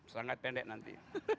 sangat pendek nanti